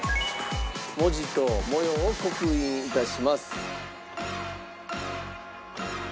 「文字と模様を刻印致します」